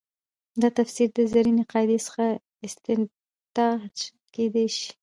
دا تفسیر د زرینې قاعدې څخه استنتاج کېدای شي.